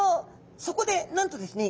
そこでなんとですね